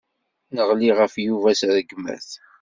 Neɣli ɣef Yuba s rregmat.